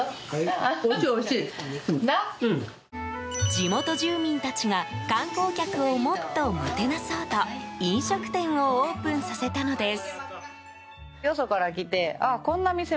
地元住民たちが観光客をもっともてなそうと飲食店をオープンさせたのです。